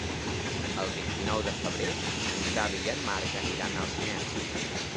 El vint-i-nou de febrer en Xavi i en Marc aniran al cinema.